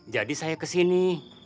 jadi saya kesini